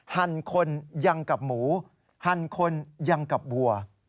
หั่นคนยังกับหมูหั่นคนยังกับวัว